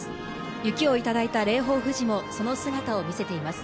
雪をいただいた霊峰富士も、その姿を見せています。